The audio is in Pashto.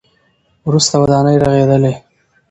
وروسته ودانۍ رغېدلې.